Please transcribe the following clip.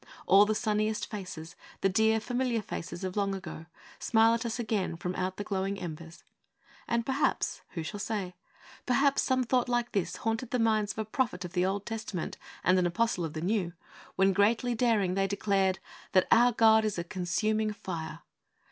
All the sunniest faces the dear, familiar faces of the long ago smile at us again from out the glowing embers. And perhaps who shall say? perhaps some thought like this haunted the minds of a prophet of the Old Testament and an apostle of the New when, greatly daring, they declared that 'our God is a consuming fire!'